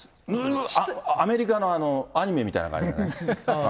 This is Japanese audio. アメリカのアニメみたいな感じ。